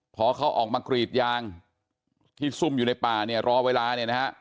พอเขาออกมากรีดยางที่ซุ่มอยู่ในป่าเนี่ยรอเวลาเนี่ยนะฮะ